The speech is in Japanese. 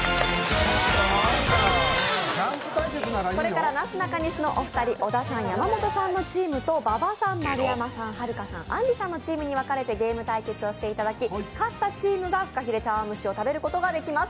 これからなすなかにしのお二人、山本さんのチームと馬場さん、丸山さん、はるかさん、あんりさんのチームに分かれてゲーム対決をしていただき勝ったチームがフカヒレ茶碗蒸しを食べることができます。